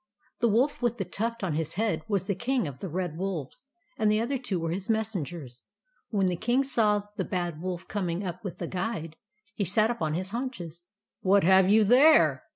The wolf with the tuft on his head was the King of the Red Wolves ; and the other two were his messengers. When the King saw the Bad Wolf coming with the Guide, he sat up on his haunches. " What have you there